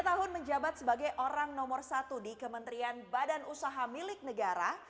lima tahun menjabat sebagai orang nomor satu di kementerian badan usaha milik negara